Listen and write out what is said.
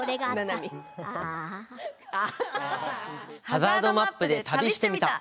ハザードマップで旅してみた。